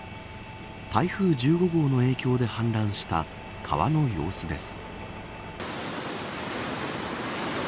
台風１５号の影響で氾濫した川の様子です。